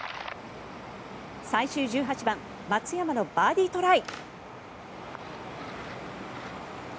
最終１８番松山のバーディートライ。